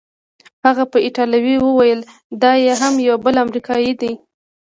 هغه په ایټالوي وویل: دا یې هم یو بل امریکايي دی.